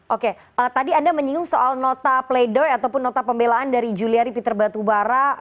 oke tadi anda menyinggung soal nota play doh ataupun nota pembelaan dari juliari peter batubara